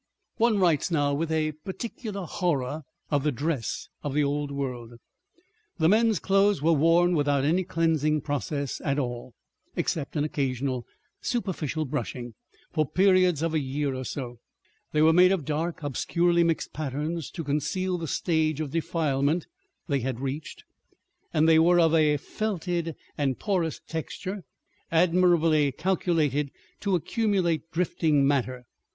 One writes now with a peculiar horror of the dress of the old world. The men's clothes were worn without any cleansing process at all, except an occasional superficial brushing, for periods of a year or so; they were made of dark obscurely mixed patterns to conceal the stage of defilement they had reached, and they were of a felted and porous texture admirably calculated to accumulate drifting matter.